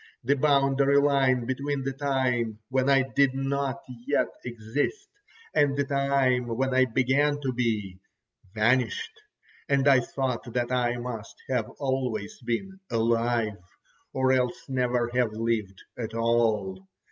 The boundary line between the time when I did not yet exist, and the time when I began to be, vanished, and I thought that I must have always been alive, or else never have lived at all.